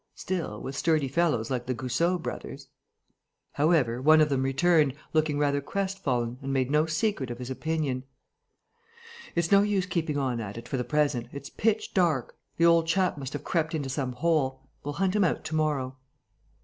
Still, with sturdy fellows like the Goussot brothers.... However, one of them returned, looking rather crestfallen, and made no secret of his opinion: "It's no use keeping on at it for the present. It's pitch dark. The old chap must have crept into some hole. We'll hunt him out to morrow."